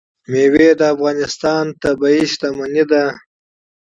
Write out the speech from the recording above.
مېوې د افغانستان طبعي ثروت دی.